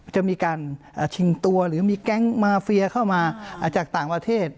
จะมีการชิงตัวหรือมีแก๊งมาเฟียเข้ามาจากต่างประเทศ